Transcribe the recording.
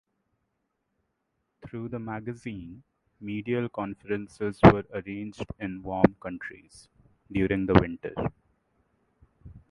Through the magazine, medial conferences were arranged in warm countries, during the winter.